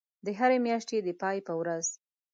د هری میاشتی د پای په ورځ